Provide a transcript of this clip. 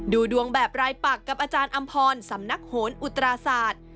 ดูดวงแบบรายปักกับอาจารย์อำพรสำนักโหนอุตราศาสตร์